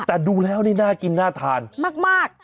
แต่ดูแล้วนี่น่ากินน่าทานมาก